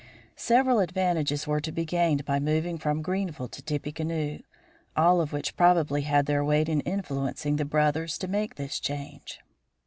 Several advantages were to be gained by moving from Greenville to Tippecanoe, all of which probably had their weight in influencing the brothers to make this change.